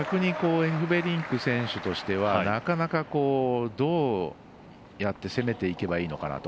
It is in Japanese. エフベリンク選手としてはなかなか、どうやって攻めていけばいいのかなと。